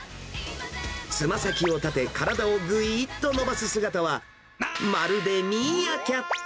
つま先を立て、体をぐいーっと伸ばす姿は、まるでミーアキャット。